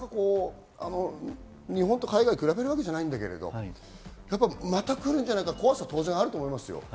日本と海外を比べるわけじゃないんですが、また来るんじゃないかという怖さもあると思います。